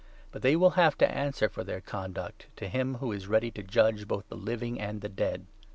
But they will have to answer for their conduct 5 to him who is ready to judge both the living and the dead.